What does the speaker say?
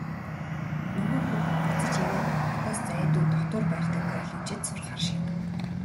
Нөгөө хүүхэд буцаж ирээд хотоос зайдуу дотуур байртай коллежид сурахаар шийдэв.